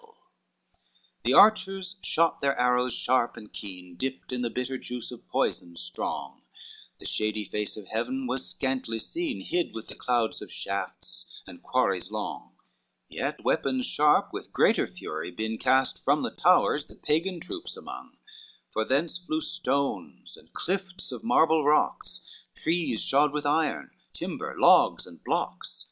LXVIII The archers shot their arrows sharp and keen, Dipped in the bitter juice of poison strong, The shady face of heaven was scantly seen, Hid with the clouds of shafts and quarries long; Yet weapons sharp with greater fury been Cast from the towers the Pagan troops among, For thence flew stones and clifts of marble rocks, Trees shod with iron, timber, logs and blocks.